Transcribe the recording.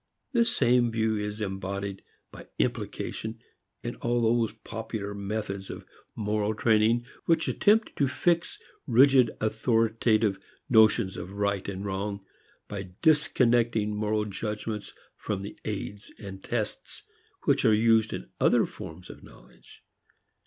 The same view is embodied by implication in all those popular methods of moral training which attempt to fix rigid authoritative notions of right and wrong by disconnecting moral judgments from the aids and tests which are used in other forms of knowledge.